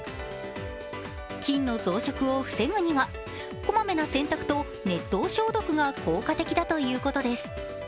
菌の増殖を防ぐには、こまめな洗濯と熱湯消毒が効果的だということです。